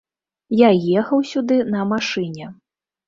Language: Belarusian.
Я ехаў сюды на машыне.